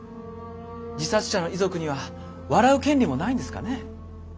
自殺者の遺族には笑う権利もないんですかね。